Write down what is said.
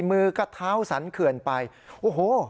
มือกระเท้าสลัดเขลลิ้นไปโอ้โห